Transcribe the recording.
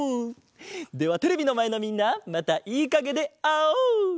ではテレビのまえのみんなまたいいかげであおう！